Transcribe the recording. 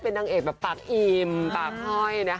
เป็นนางเอกปากอิ่มปากห้อย